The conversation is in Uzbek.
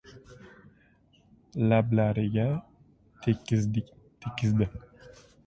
Lablariga tekkizdi.